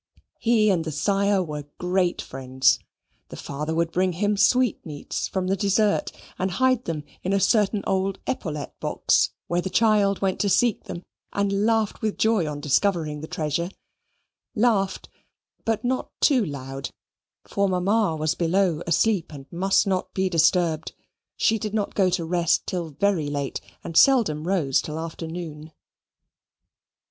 He and the sire were great friends. The father would bring him sweetmeats from the dessert and hide them in a certain old epaulet box, where the child went to seek them, and laughed with joy on discovering the treasure; laughed, but not too loud: for mamma was below asleep and must not be disturbed. She did not go to rest till very late and seldom rose till after noon.